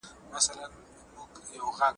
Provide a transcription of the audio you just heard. نقيبه ياره! د مُلا په قباله دې شمه